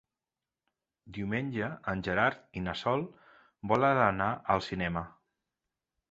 Diumenge en Gerard i na Sol volen anar al cinema.